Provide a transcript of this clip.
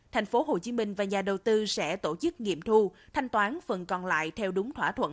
tp hcm và nhà đầu tư sẽ tổ chức nghiệm thu thanh toán phần còn lại theo đúng thỏa thuận